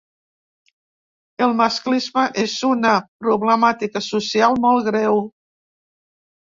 El masclisme és una problemàtica social molt greu.